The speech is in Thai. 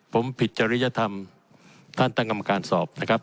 ผมผิดจริยธรรมท่านตั้งกรรมการสอบนะครับ